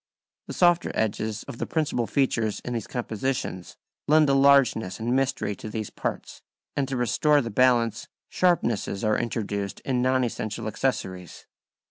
The softer edges of the principal features in these compositions lend a largeness and mystery to these parts, and to restore the balance, sharpnesses are introduced in non essential accessories.